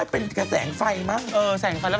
เป็นแสงไฟมั้ง